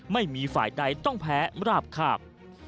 ไม่มีฝ่ายใดต้องแพ้ราบคาบ